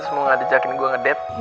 terus mau ngajakin gue ngedate